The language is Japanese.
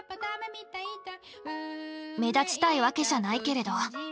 目立ちたいわけじゃないけれど。